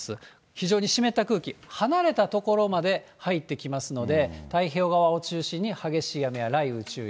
非常に湿った空気、離れた所まで入ってきますので、太平洋側を中心に激しい雨や雷雨注意。